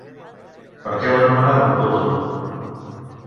Per què l'anomenaven Plutó?